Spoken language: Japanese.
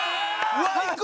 うわっいく？